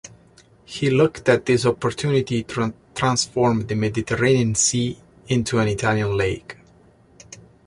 He looked at this opportunity to transform the Mediterranean Sea into an Italian Lake.